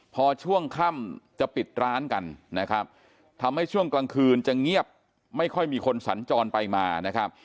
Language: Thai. พอช่วงค่ำจะปิดร้านกันนะครับทำให้ช่วงกลางคืนจะเงียบไม่ค่อยมีคนสัญจรไปมานะครับ